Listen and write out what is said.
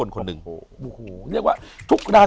อยู่ที่แม่ศรีวิรัยิลครับ